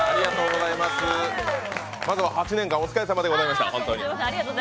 まずは８年間お疲れ様でございました。